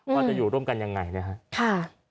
ว่าจะอยู่ร่วมกันยังไงนะครับ